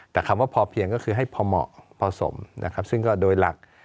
แต่คำว่าพอเพียงก็คือให้พอเหมาะพอสมนะครับซึ่งก็โดยหลัก